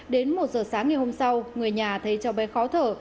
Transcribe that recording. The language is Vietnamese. đến một giờ sáng ngày hôm sau người nhà thấy cháu bé khó thở